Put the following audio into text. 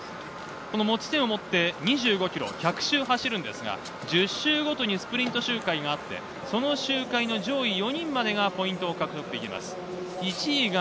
持ち点をもって２５ｋｍ、１００周走るんですが１０周ごとにスプリント周回があって、その周回の上位４人までがポイントを獲得できます。